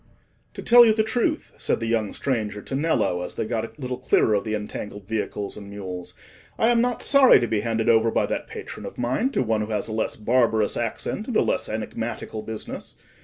"To tell you the truth," said the young stranger to Nello, as they got a little clearer of the entangled vehicles and mules, "I am not sorry to be handed over by that patron of mine to one who has a less barbarous accent, and a less enigmatical business.